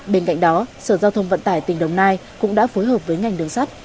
bên cạnh đó sở giao thông vận tải tỉnh đồng nai cũng đã phối hợp với ngành đường sắt